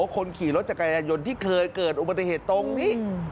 คนขี่รถจักรยายนต์ที่เคยเกิดอุบัติเหตุตรงนี้